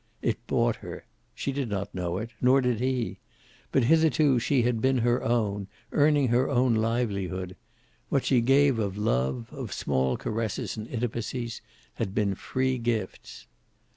It bought her. She did not know it, nor did he. But hitherto she had been her own, earning her own livelihood. What she gave of love, of small caresses and intimacies, had been free gifts.